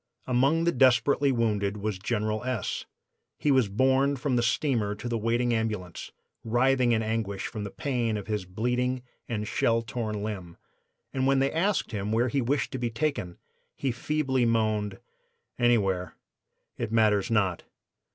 Among the desperately wounded was General S. He was borne from the steamer to the waiting ambulance, writhing in anguish from the pain of his bleeding and shell torn limb, and when they asked him where he wished to be taken he feebly moaned: "'Anywhere, it matters not.